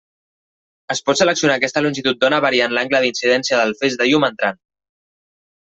Es pot seleccionar aquesta longitud d'ona variant l'angle d'incidència del feix de llum entrant.